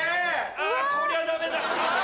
あぁこりゃダメだ！